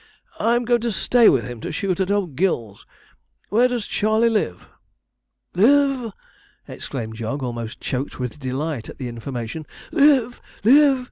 I'm going to stay with him to shoot at old Gil's. Where does Charley live?' 'Live!' exclaimed Jog, almost choked with delight at the information; 'live! live!'